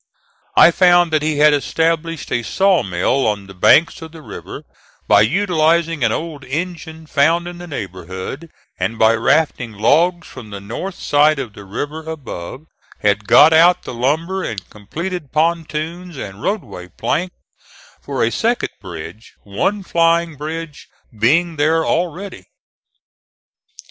I found that he had established a saw mill on the banks of the river, by utilizing an old engine found in the neighborhood; and, by rafting logs from the north side of the river above, had got out the lumber and completed pontoons and roadway plank for a second bridge, one flying bridge being there already.